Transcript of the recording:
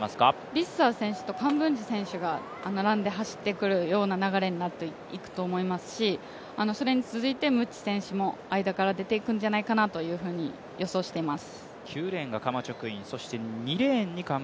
ビッサー選手とカンブンジ選手が並んで走ってくるような流れになると思いますしそれに続いてムッチ選手も間から出ていくんじゃないかなと予想しています。